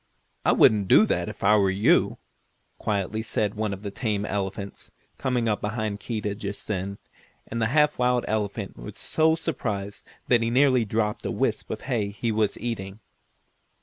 I wouldn't do that if I were you," quietly said one of the tame elephants, coming up behind Keedah just then, and the half wild elephant was so surprised that he nearly dropped a wisp of hay he was eating.